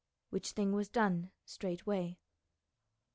Which thing was done straightway.